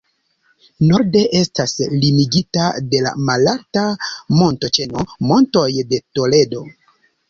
Norde estas limigita de la malalta montoĉeno Montoj de Toledo.